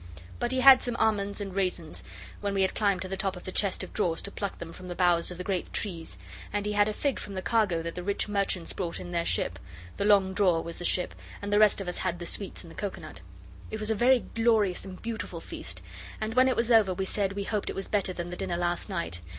But he had some almonds and raisins when we had climbed to the top of the chest of drawers to pluck them from the boughs of the great trees; and he had a fig from the cargo that the rich merchants brought in their ship the long drawer was the ship and the rest of us had the sweets and the coconut. It was a very glorious and beautiful feast, and when it was over we said we hoped it was better than the dinner last night.